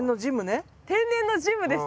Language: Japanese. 天然のジムです！